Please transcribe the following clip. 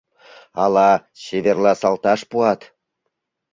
Ала чеверласалташ пуат?